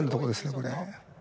これ。